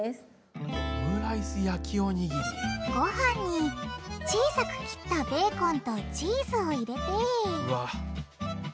ごはんに小さく切ったベーコンとチーズを入れてうわ。